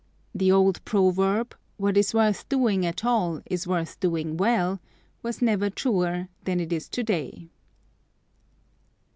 The old proverb, 'What is worth doing at all is worth doing well,' was never truer than it is to day."